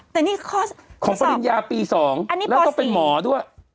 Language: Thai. แต่นี่ข้อของปริญญาปี๒แล้วก็เป็นหมอด้วย